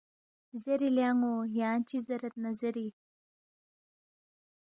زیری لے ان٘و یانگ چِہ زیرید نہ زیری